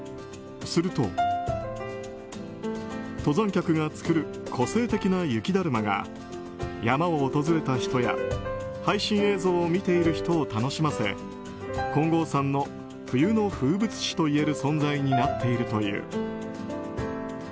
すると登山客が作る個性的な雪だるまが山を訪れた人や配信映像を見ている人を楽しませ金剛山の冬の風物詩と言える存在になっているという。